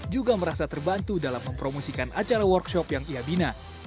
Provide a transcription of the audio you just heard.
juga merasa terbantu dalam mempromosikan acara workshop yang ia bina